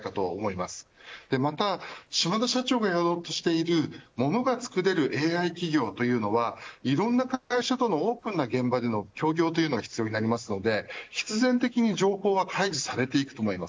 また島田社長がやろうとしているものがつくれるＡＩ企業というのはいろんな会社とも多くの現場でも協業というのが必要になりますので必然的に情報は開示されていくと思います。